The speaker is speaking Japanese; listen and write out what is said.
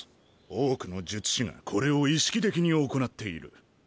多くの術師がこれを意識的に行っている。